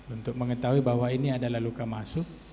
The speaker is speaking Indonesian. untuk mengetahui bahwa ini adalah luka masuk